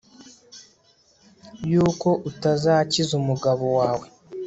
yuko utazakiza umugabo wawe